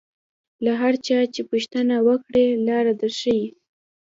له هر چا چې پوښتنه وکړې لاره در ښیي.